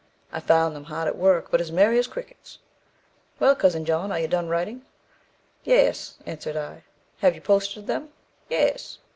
I found them hard at work, but as merry as crickets. 'Well, cousin John, are you done writing?' 'Yes,' answered I. 'Have you posted them?' 'Yes.'